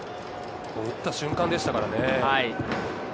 打った瞬間でしたからね。